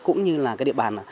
cũng như là địa bàn